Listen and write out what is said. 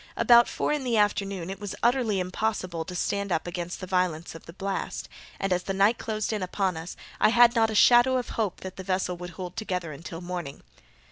About four in the afternoon it was utterly impossible to stand up against the violence of the blast; and, as the night closed in upon us, I had not a shadow of hope that the vessel would hold together until morning.